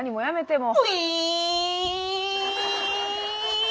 もう。